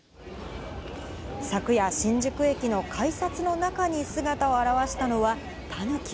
昨夜、新宿駅の改札の中に姿を現したのはタヌキ。